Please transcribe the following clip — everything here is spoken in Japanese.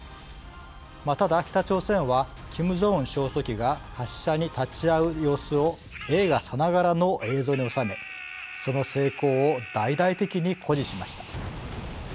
ただ北朝鮮はキム・ジョンウン総書記が発射に立ち会う様子を映画さながらの映像に収めその成功を大々的に誇示しました。